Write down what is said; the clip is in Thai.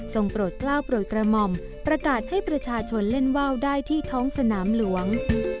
โปรดกล้าวโปรดกระหม่อมประกาศให้ประชาชนเล่นว่าวได้ที่ท้องสนามหลวง